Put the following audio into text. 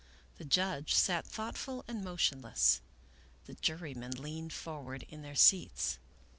The judge sat thoughtful and motionless. The jurymen leaned for ward in their seats.